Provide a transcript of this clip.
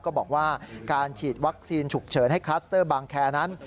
ก็บอกว่าการฉีดวัคซีนฉุกเฉินให้คลัสเตอร์บางแคร์นั้น